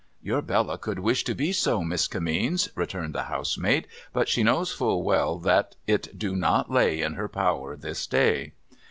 ' Your Bella could wish to be so, Miss Kimmeens,' returned the housemaid, ' but she knows full well that it do not lay in her power this day.'